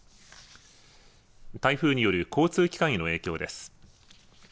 台風による交通機関への影響です。